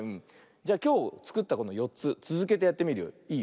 じゃきょうつくったこの４つつづけてやってみるよ。いい？